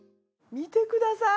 見てください。